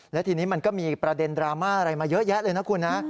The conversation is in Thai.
และทีนี้มันก็มีประเด็นดราม่าอะไรมาเยอะแยะเลยนะคุณนะ